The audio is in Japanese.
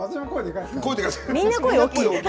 みんな声大きい。